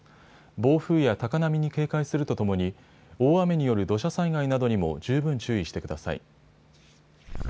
暴風や高波に警戒するとともに大雨による土砂災害などにも十分注意してください。